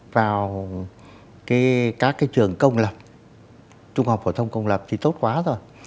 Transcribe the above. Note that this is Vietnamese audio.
vào các trường công lập trung học phổ thông công lập thì tốt quá rồi